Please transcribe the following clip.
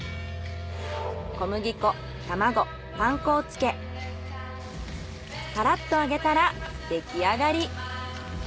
小麦粉・卵・パン粉をつけカラッと揚げたら出来上がり。